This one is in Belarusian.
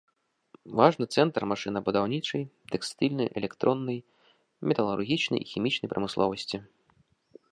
Важны цэнтр машынабудаўнічай, тэкстыльнай, электроннай, металургічнай і хімічнай прамысловасці.